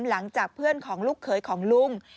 หลังจากเพื่อนของลูกเขยของลุง